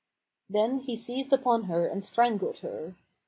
"[FN#470] Then he seized upon her and strangled her.